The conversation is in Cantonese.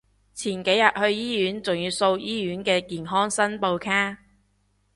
前幾日去醫院仲要掃醫院嘅健康申報卡